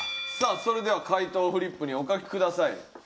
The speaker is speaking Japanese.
さあそれでは回答をフリップにお書きください。